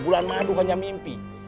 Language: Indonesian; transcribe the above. bulan madu hanya mimpi